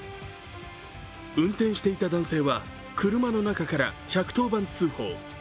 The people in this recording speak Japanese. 運転していた男性は車の中から１１０番通報。